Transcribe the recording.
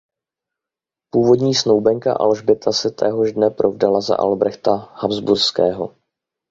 Původní snoubenka Alžběta se téhož dne provdala za Albrechta Habsburského.